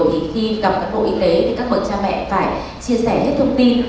thì khi gặp cán bộ y tế thì các bậc cha mẹ phải chia sẻ hết thông tin